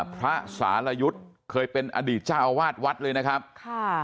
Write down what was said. พระสารยุทธ์เคยเป็นอดีตเจ้าอาวาสวัดเลยนะครับค่ะ